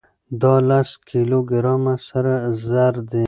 دا لس کيلو ګرامه سره زر دي.